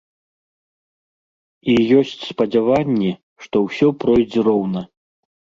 І ёсць спадзяванні, што ўсё пройдзе роўна.